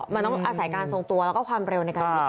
มันต้องอาศัยการทรงตัวแล้วก็ความเร็วในการบิน